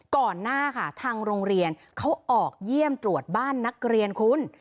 ก่อนหน้าค่ะทางโรงเรียนเขาออกเยี่ยมตรวจบ้านนักเรียนคุณ